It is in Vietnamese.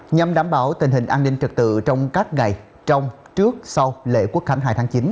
nhằm đảm bảo tình hình an ninh trật tự trong các ngày trong trước sau lễ quốc khánh hai tháng chín